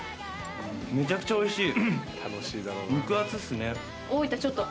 めちゃくちゃおいしい。